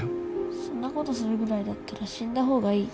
そんなことするぐらいだったら死んだ方がいい。